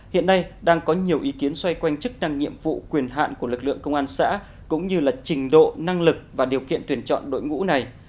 hiện nay đang có nhiều ý kiến xoay quanh chức năng nhiệm vụ quyền hạn của lực lượng công an xã cũng như là trình độ năng lực và điều kiện tuyển chọn đội ngũ này